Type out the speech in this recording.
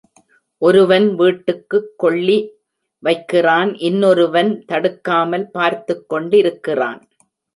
ஒருவன் வீட்டுக்குக் கொள்ளி வைக்கிறான் இன்னொருவன் தடுக்காமல் பார்த்துக் கொண்டிருக்கிறான்.